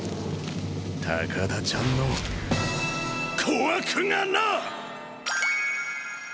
高田ちゃんの個握がな！